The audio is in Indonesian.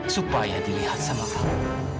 supaya dilihat sama kamu